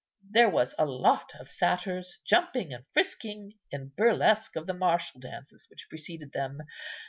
There was a lot of satyrs, jumping and frisking, in burlesque of the martial dances which preceded them.